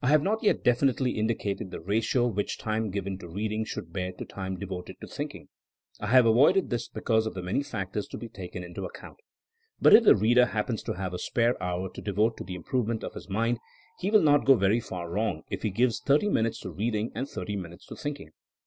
I have not yet definitely indicated the ratio which time given to reading should bear to time devoted to thinking. I have avoided this be cause of the many factors to be taken into ac count. But if the reader happens to have a spare hour to devote to the improvement of his mind, he will not go very far wrong if he gives thirty minutes to reading and thirty minutes to thinking.